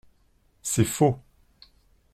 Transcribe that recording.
C’est faux.